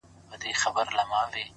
که په ژړا کي مصلحت وو، خندا څه ډول وه،